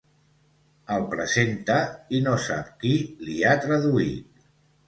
El presenta i no sap qui l’hi ha traduït.